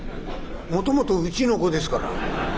もともとうちの子ですから。